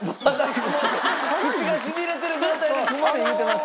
口がしびれてる状態で雲で言うてます。